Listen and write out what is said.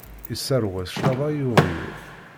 Isseṛwa cclaḍa i uɣyul.